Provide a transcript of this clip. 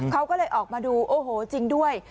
เขาก็เลยออกมาดูโอ้โหจริงด้วย